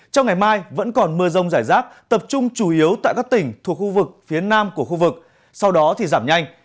trong ngày mai vẫn còn mưa rông rải rác tập trung chủ yếu tại các tỉnh thuộc khu vực phía nam của khu vực sau đó thì giảm nhanh